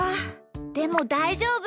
でもだいじょうぶ！